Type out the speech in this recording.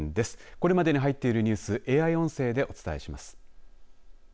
これまでに入っているニュースＡＩ音声でお伝えします。